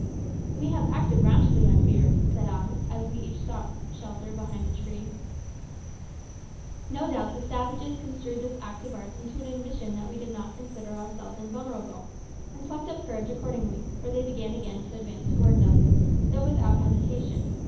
"We have acted rashly, I fear," said I, as we each sought shelter behind a tree. No doubt the savages construed this act of ours into an admission that we did not consider ourselves invulnerable, and plucked up courage accordingly, for they began again to advance towards us, though with hesitation.